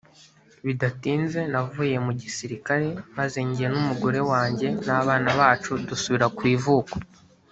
bidatinze navuye mu gisirikare maze jye n umugore wanjye n abana bacu dusubira ku ivuko